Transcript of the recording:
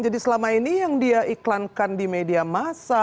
jadi selama ini yang dia iklankan di media massa